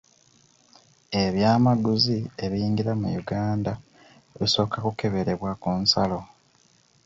Ebyamaguzi ebiyingira mu Uganda bisooka kukeberebwa ku nsalo.